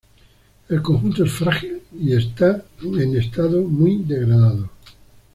El conjunto es frágil y está en un estado muy degradado.